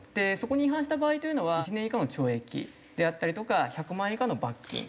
そこに違反した場合というのは１年以下の懲役であったりとか１００万円以下の罰金。